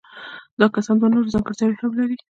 دا کسان دوه نورې ځانګړتیاوې هم لري.